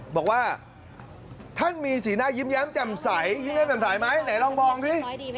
บอกว่าท่านมีสีหน้ายิ้มแย้มแจ่มใสยิ้มแจ่มใสไหมไหนลองมองสิ